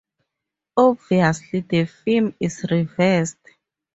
Obviously the film is reversed.